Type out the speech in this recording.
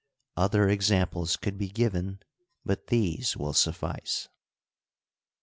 Other examples could be given, but these will suffice.